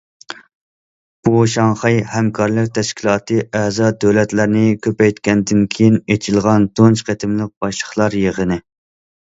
بۇ شاڭخەي ھەمكارلىق تەشكىلاتى ئەزا دۆلەتلەرنى كۆپەيتكەندىن كېيىن ئېچىلغان تۇنجى قېتىملىق باشلىقلار يىغىنى.